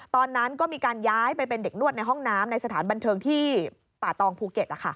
ตอนนั้นก็มีการย้ายไปเป็นเด็กนวดในห้องน้ำในสถานบันเทิงที่ป่าตองภูเก็ต